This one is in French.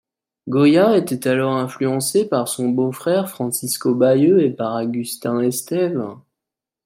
Goya était alors influencé par son beau-frère Francisco Bayeu et par Agustin Esteve.